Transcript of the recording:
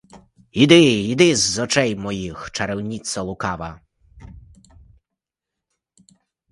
Іди, іди з очей моїх, чарівниця лукава!